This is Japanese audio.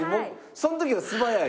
その時は素早い？